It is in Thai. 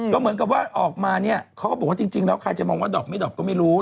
ก็เหมือนกับว่าออกมาเนี่ยเขาก็บอกว่าจริงแล้วใครจะมองว่าดอกไม่ดอบก็ไม่รู้